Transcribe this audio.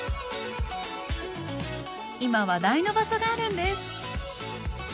今、話題の場所があるんです。